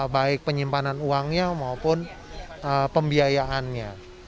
baik penyimpanan uangnya maupun pembiayaannya